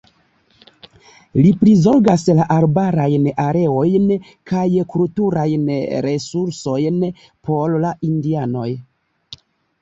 Li prizorgas la arbarajn areojn kaj kulturajn resursojn por la indianoj.